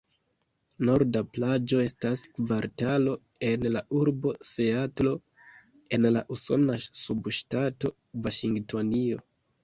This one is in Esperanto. Norda Plaĝo estas kvartalo en la urbo Seatlo en la usona subŝtato Vaŝingtonio.